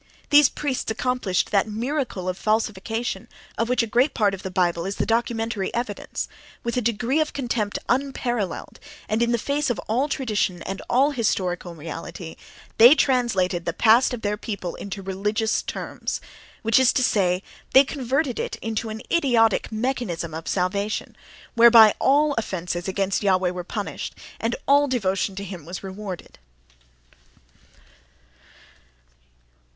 —These priests accomplished that miracle of falsification of which a great part of the Bible is the documentary evidence; with a degree of contempt unparalleled, and in the face of all tradition and all historical reality, they translated the past of their people into religious terms, which is to say, they converted it into an idiotic mechanism of salvation, whereby all offences against Jahveh were punished and all devotion to him was rewarded.